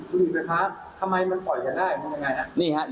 บุหรี่ไฟฟ้าทำไมมันปล่อยจัดได้มันยังไงครับ